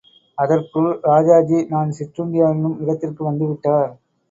அதற்குள் ராஜாஜி நான் சிற்றுண்டி அருந்தும் இடத்திற்கு வந்துவிட்டார்.